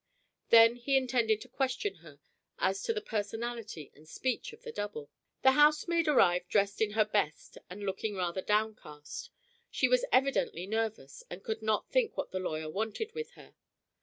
Then he intended to question her as to the personality and speech of the double. The housemaid arrived dressed in her best and looking rather downcast. She was evidently nervous, and could not think what the lawyer wanted with her.